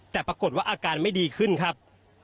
แต่ปรากฏว่าอาการไม่ดีขึ้นครับ